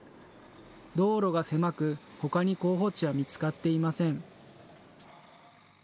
道路が狭く、ほかに候補地は見つかっていません。